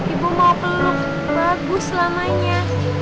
ibu mau peluk bagus selamanya